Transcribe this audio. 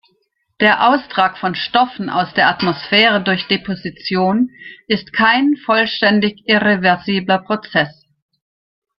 Der Austrag von Stoffen aus der Atmosphäre durch Deposition ist kein vollständig irreversibler Prozess.